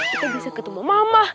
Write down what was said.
kita bisa ketemu mama